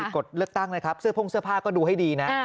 กดเลือกตั้งปุ้งสื่อผ้าก็ดูให้ดีนะ